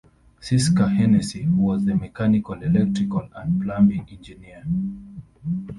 Syska Hennessy was the mechanical, electrical, and plumbing engineer.